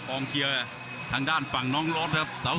เกียร์ทางด้านฝั่งน้องรถครับ